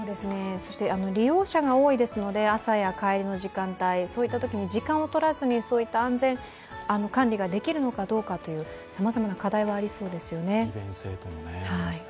そして、利用者が多いですので、朝や帰りの時間帯、そういったときに時間をとらずに安全管理ができるのかどうか、さまざまな課題はありそうですよね。